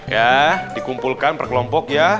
ya dikumpulkan per kelompok ya